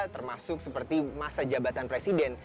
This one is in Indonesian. termasuk seperti masa jabatan presiden